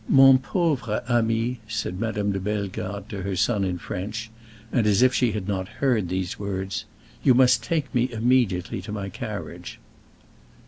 "Mon pauvre ami," said Madame de Bellegarde to her son in French, and as if she had not heard these words, "you must take me immediately to my carriage."